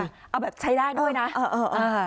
เอาแบบใช้ได้ด้วยนะเออเออเออ